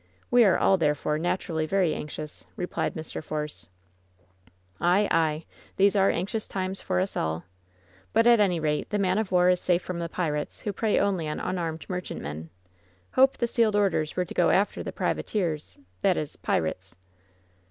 We are ail, therefore, naturally very anxious," replied Mr. Force. "Ay! ay! These are anxious times for us all. But, at any rate, the man of war is safe from the pirates, who prey only on unarmed merchantmen. Hope the sealed orders were to go after the privateers — ^that is, pirates."